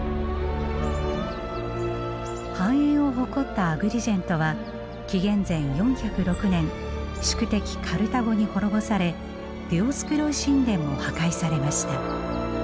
繁栄を誇ったアグリジェントは紀元前４０６年宿敵カルタゴに滅ぼされディオスクロイ神殿も破壊されました。